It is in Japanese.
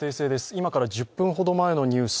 今から１０分ほど前のニュース、